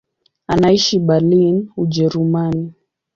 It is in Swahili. Anaishi Berlin, Ujerumani.